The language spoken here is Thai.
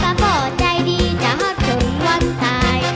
ถ้าบ่ป่อใจดีจะหักจงวันตาย